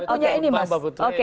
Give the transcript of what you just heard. punya ini mas oke oke